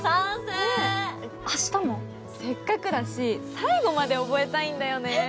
せっかくだし最後まで覚えたいんだよね。